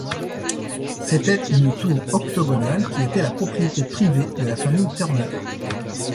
C'était une tour octogonale qui était la propriété privée de la famille Turner.